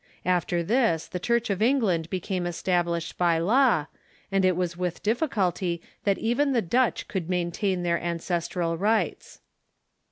Af ter this the Church of England became established by law, and it was with difticulty that even the Dutch could maintain their ancestral rights.